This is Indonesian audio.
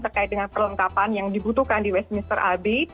terkait dengan perlengkapan yang dibutuhkan di westminster ab